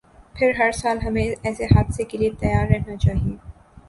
پھر ہرسال ہمیں ایسے حادثے کے لیے تیار رہنا چاہیے۔